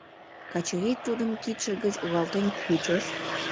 Качырий тудым кидше гыч руалтен кучыш.